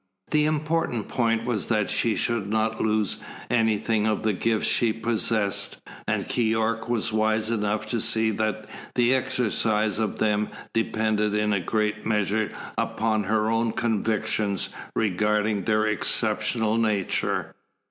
The important point was that she should not lose anything of the gifts she possessed, and Keyork was wise enough to see that the exercise of them depended in a great measure upon her own conviction regarding their exceptional nature.